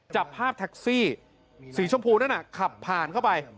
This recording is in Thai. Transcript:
จับภาพแท็กซี่สีชมพูนั่นน่ะขับผ่านเข้าไป